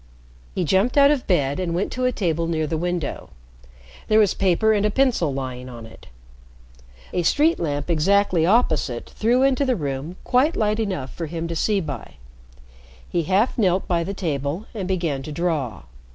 He jumped out of bed and went to a table near the window. There was paper and a pencil lying on it. A street lamp exactly opposite threw into the room quite light enough for him to see by. He half knelt by the table and began to draw.